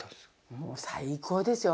もう最高ですよ。